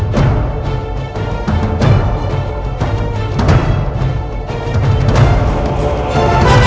kepada semua keturunan dewa niskal